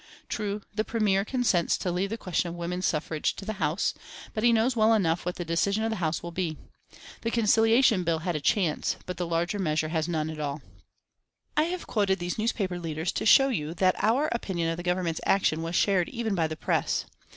True, the Premier consents to leave the question of women's suffrage to the House, but he knows well enough what the decision of the House will be. The Conciliation Bill had a chance, but the larger measure has none at all. I have quoted these newspaper leaders to show you that our opinion of the Government's action was shared even by the press.